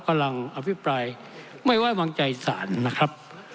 กำลังอภิปรายไม่ไว้วางใจสารนะครับ